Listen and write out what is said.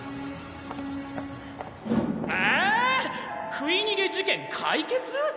食い逃げ事件解決！？